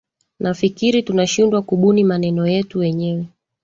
nafikiri tunashindwa kubuni maneno yetu wenyewe